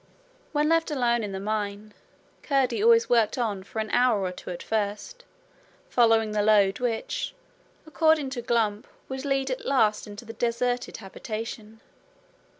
When left alone in the mine Curdie always worked on for an hour or two at first, following the lode which, according to Glump, would lead at last into the deserted habitation.